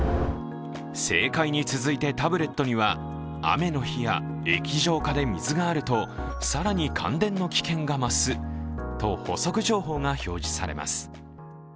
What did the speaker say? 正解に続いてタブレットには、雨の日や液状化で水があると更に感電の危険がますと補足情報が表示されます。